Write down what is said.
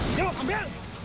tidak saya di sini